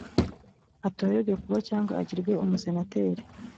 atorerwe kuba cyangwa agirwe umusenateri